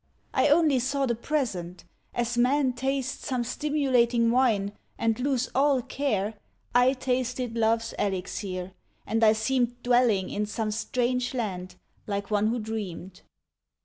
I only saw the present: as men taste Some stimulating wine, and lose all care, I tasted Love's elixir, and I seemed Dwelling in some strange land, like one who dreamed.